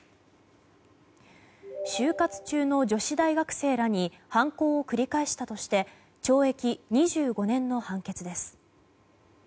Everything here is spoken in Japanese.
就活中の女子大学生らに犯行を繰り返したとして懲役２５年の判決です。